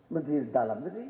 menteri dalam negeri